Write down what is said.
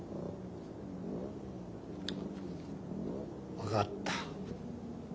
分かった。